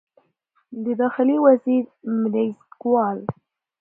د داخلي وزیر میرزکوال